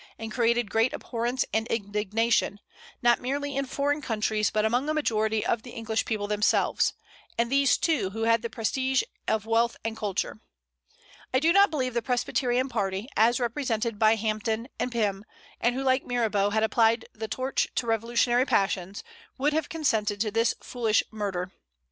and created great abhorrence and indignation, not merely in foreign countries, but among a majority of the English people themselves, and these, too, who had the prestige of wealth and culture. I do not believe the Presbyterian party, as represented by Hampden and Pym, and who like Mirabeau had applied the torch to revolutionary passions, would have consented to this foolish murder.